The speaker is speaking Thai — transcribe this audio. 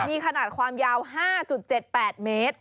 มีขนาดความยาว๕๗๘เมตร